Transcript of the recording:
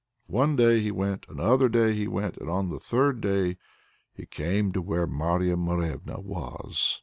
One day he went, another day he went, and on the third day he came to where Marya Morevna was.